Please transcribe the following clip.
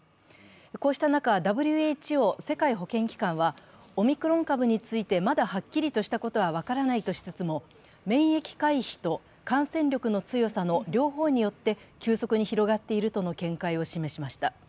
こうした中、ＷＨＯ＝世界保健機関はオミクロン株についてまだはっきりとしたことは分からないとしつつも、免疫回避と感染力の強さの両方によって急速に広がっているとの見解を示しました。